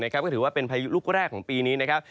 ก็ถือว่าเป็นพายุลูกแรกของปีนี้นะครับ